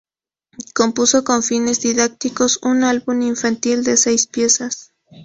Compuso con fines didácticos un Álbum infantil de seis piezas.